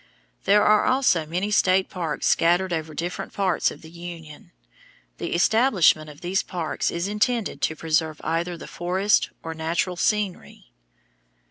There are also many state parks scattered over different parts of the Union. The establishment of these parks is intended to preserve either the forests or natural scenery.